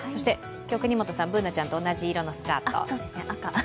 今日、國本さん、Ｂｏｏｎａちゃんと同じ色のスカート。